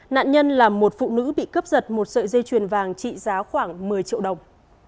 nạn nhân là một phụ nữ bị cướp giật một sợi dây chuyền vàng trị giá khoảng một mươi triệu đồng